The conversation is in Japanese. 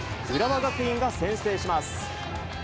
浦和学院が先制します。